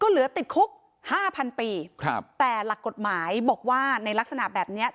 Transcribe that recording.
เหลือติดคุกห้าพันปีครับแต่หลักกฎหมายบอกว่าในลักษณะแบบเนี้ย